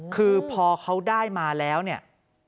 คือพอเขาได้มาแล้วเนี่ย